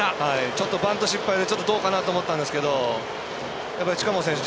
ちょっとバント失敗でどうかな？と思ったんですが近本選手